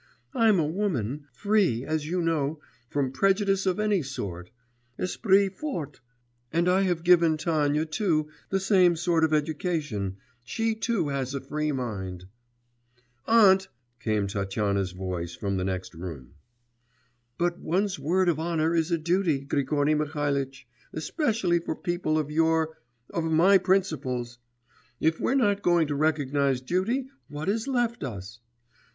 I'm a woman, free, as you know, from prejudice of any sort, esprit fort, and I have given Tanya too the same sort of education, she too has a free mind....' 'Aunt!' came Tatyana's voice from the next room. 'But one's word of honour is a duty, Grigory Mihalitch, especially for people of your, of my principles! If we're not going to recognise duty, what is left us?